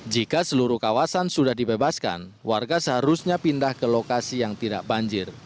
jika seluruh kawasan sudah dibebaskan warga seharusnya pindah ke lokasi yang tidak banjir